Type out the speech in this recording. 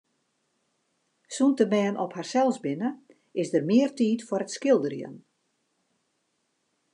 Sûnt de bern op harsels binne, is der mear tiid foar it skilderjen.